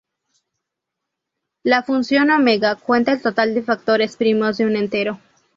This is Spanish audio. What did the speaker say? La función Omega cuenta el total de factores primos de un entero.